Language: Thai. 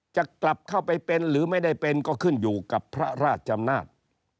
จะกลับเข้าไปเป็นหรือไม่ได้เป็นก็ขึ้นอยู่กับพระราชอำนาจ